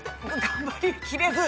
頑張りきれず。